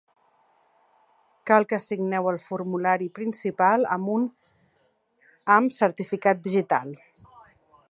Cal que signeu el formulari principal amb un amb certificat digital.